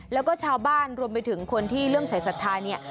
แล้วก็ชาวบ้านรวมไปถึงคนที่เริ่มใส่ศรัทธาเนี่ย